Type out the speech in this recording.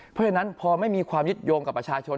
เพราะฉะนั้นพอไม่มีความยึดโยงกับประชาชน